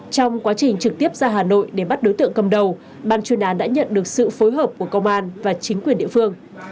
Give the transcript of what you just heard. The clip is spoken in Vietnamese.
trong quá trình trực tiếp ra hà nội để bắt đối tượng cầm đầu ban chuyên án đã nhận được sự phối hợp của công an và chính quyền địa phương